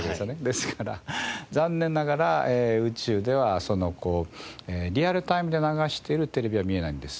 ですから残念ながら宇宙ではリアルタイムで流しているテレビは見られないんです。